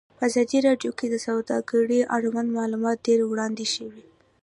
په ازادي راډیو کې د سوداګري اړوند معلومات ډېر وړاندې شوي.